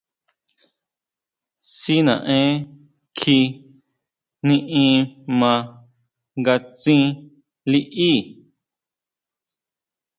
Si naʼen kjí niʼín ma nga tsín liʼí.